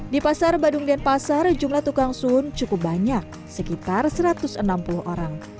di pasar badung denpasar jumlah tukang sun cukup banyak sekitar satu ratus enam puluh orang